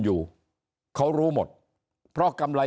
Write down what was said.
ถ้าท่านผู้ชมติดตามข่าวสาร